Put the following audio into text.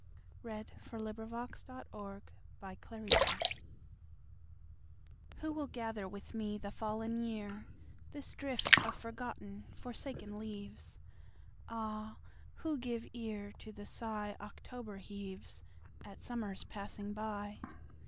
So soon over Love and lover. AUTUMN TREASURE Who will gather with me the fallen year, This drift of forgotten forsaken leaves, Ah! who give ear To the sigh October heaves At summer's passing by!